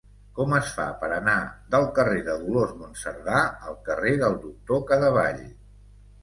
Com es fa per anar del carrer de Dolors Monserdà al carrer del Doctor Cadevall?